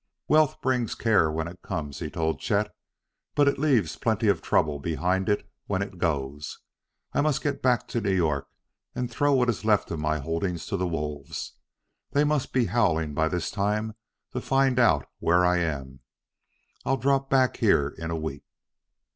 "Wealth brings care when it comes," he told Chet, "but it leaves plenty of trouble behind it when it goes. I must get back to New York and throw what is left of my holdings to the wolves; they must be howling by this time to find out where I am. I'll drop back here in a week."